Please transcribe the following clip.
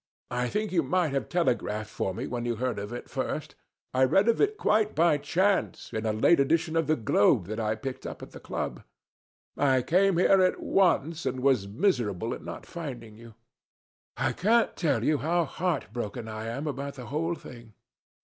I think you might have telegraphed for me when you heard of it first. I read of it quite by chance in a late edition of The Globe that I picked up at the club. I came here at once and was miserable at not finding you. I can't tell you how heart broken I am about the whole thing.